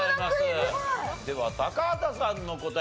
では高畑さんの答え